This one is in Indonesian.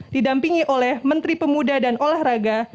didampingi oleh menteri pemuda dan olahraga